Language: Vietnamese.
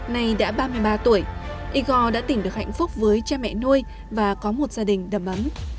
này đã ba mươi ba tuổi igor đã tìm được hạnh phúc với cha mẹ nuôi và có một gia đình đầm ấm